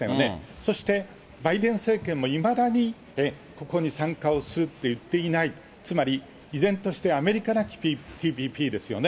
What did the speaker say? そしてバイデン政権もいまだに、ここに参加をするって言っていない、つまり、依然としてアメリカなきＴＰＰですよね。